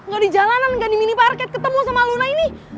gak di jalanan gak di minimarket ketemu sama luna ini